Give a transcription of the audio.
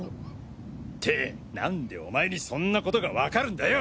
って何でお前にそんなことがわかるんだよ！